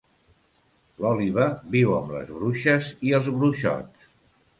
L'òliba viu amb les bruixes i els bruixots.